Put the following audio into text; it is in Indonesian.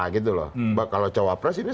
nah gitu loh kalau jawab presidennya